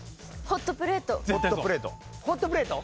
ホットプレート。